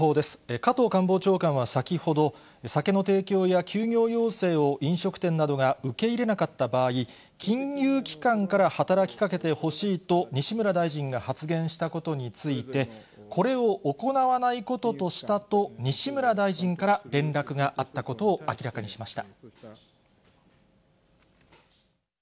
加藤官房長官は先ほど、酒の提供や休業要請を飲食店などが受け入れなかった場合、金融機関から働きかけてほしいと西村大臣が発言したことについて、これを行わないこととしたと、西村大臣から連絡があったことを明らかにしました。